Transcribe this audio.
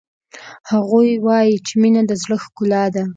هغوی وایي چې مینه د زړه ښکلا ده